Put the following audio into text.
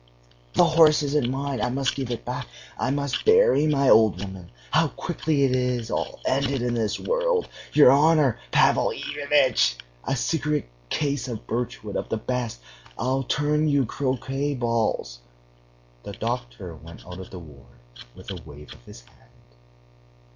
"The horse isn't mine, I must give it back.... I must bury my old woman.... How quickly it is all ended in this world! Your honor, Pavel Ivanitch! A cigarette case of birchwood of the best! I'll turn you croquet balls...." The doctor went out of the ward with a wave of his hand.